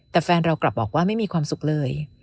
แต่แฟนเรากลับบอกว่าไม่มีความสุขเลย